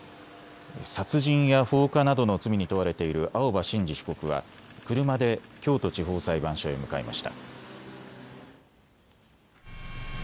殺人や放火などの罪に問われている青葉真司被告は車で京都地方裁判所へ向かいました。